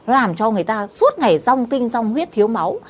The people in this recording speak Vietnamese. làm cho người ta suốt ngày rong kinh rong huyết thiếu máu